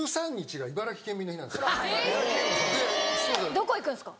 どこ行くんですか？